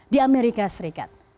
di amerika serikat